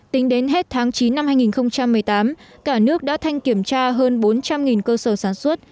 tính đến hết tháng chín năm hai nghìn một mươi tám cả nước đã thanh kiểm tra hơn bốn trăm linh cơ sở sản xuất